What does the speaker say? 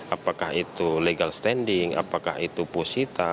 apakah itu legal standing apakah itu posita